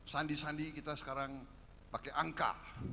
sandi sandi kita sekarang pakai angka